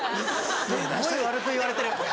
すごい悪く言われてる。